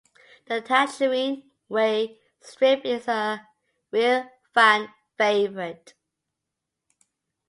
The tangerine away strip is a real fan favourite.